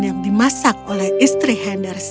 yang dimasak oleh istri henders